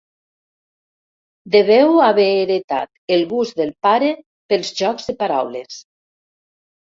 Deveu haver heretat el gust del pare pels jocs de paraules.